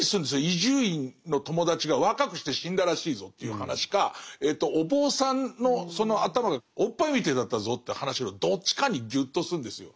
伊集院の友達が若くして死んだらしいぞっていう話かお坊さんのその頭がおっぱいみてえだったぞって話のどっちかにギュッとするんですよ。